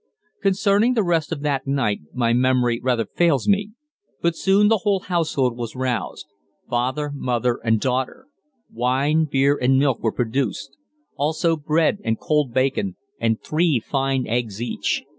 Concerning the rest of that night my memory rather fails me, but soon the whole household was roused father, mother, and daughter. Wine, beer, and milk were produced; also bread, and cold bacon and three fine eggs each.